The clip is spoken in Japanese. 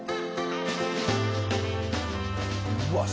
うわっ！